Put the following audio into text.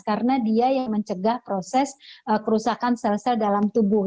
karena dia yang mencegah proses kerusakan sel sel dalam tubuh